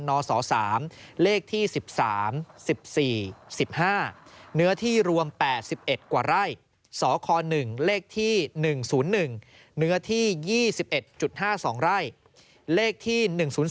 นศ๓เลขที่๑๓๑๔๑๕เนื้อที่รวม๘๑กว่าไร่สค๑เลขที่๑๐๑เนื้อที่๒๑๕๒ไร่เลขที่๑๐๔